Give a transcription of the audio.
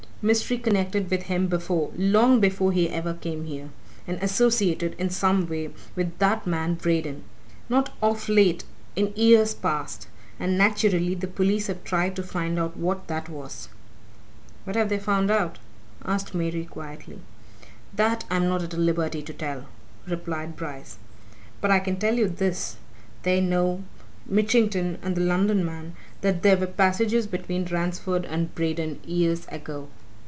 Mystery connected with him before long before he ever came here. And associated, in some way, with that man Braden. Not of late in years past. And, naturally, the police have tried to find out what that was." "What have they found out?" asked Mary quietly. "That I'm not at liberty to tell," replied Bryce. "But I can tell you this they know, Mitchington and the London man, that there were passages between Ransford and Braden years ago."